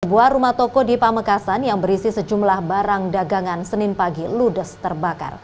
sebuah rumah toko di pamekasan yang berisi sejumlah barang dagangan senin pagi ludes terbakar